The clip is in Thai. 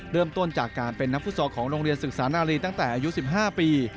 เริ่มต้นจากการเป็นนักฟุตซอลของโรงเรียนศึกษานาลีตั้งแต่อายุ๑๕ปี